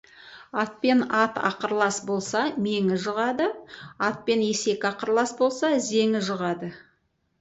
Ат пен ат ақырлас болса, меңі жұғады, ат пен есек ақырлас болса, зеңі жұғады.